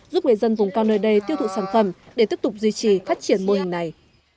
giúp người dân vùng cao nơi đây tiêu thụ sản phẩm để tiếp tục duy trì phát triển mô hình này